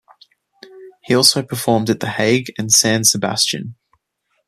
He also performed at The Hague and San Sebastian.